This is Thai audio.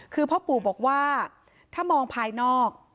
คือพ่อปู่บอกว่าถ้ามองภายนอก